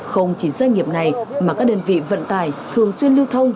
không chỉ doanh nghiệp này mà các đơn vị vận tải thường xuyên lưu thông